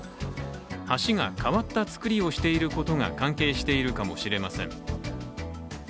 橋が変わった造りをしていることが関係しているかもしれません。